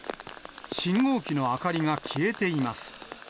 信号機の明かりが消えています。